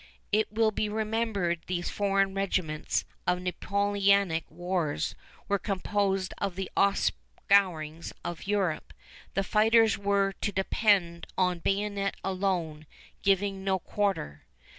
It will be remembered these foreign regiments of Napoleonic wars were composed of the offscourings of Europe. The fighters were to depend "on bayonet alone, giving no quarter."